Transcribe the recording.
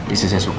istri saya suka